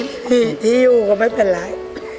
ที่ที่อยู่ก็ไม่เป็นไร